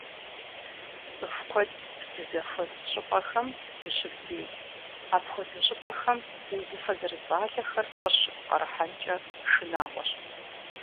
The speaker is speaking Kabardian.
ЦӀыху куэд здызэхуэс щӀыпӀэхэм зыщывдзей, апхуэдэ щӀыпӀэхэм узыфэ зэрыцӏалэхэр къыщыппкъырыхьэнкӏэ шынагъуэщ.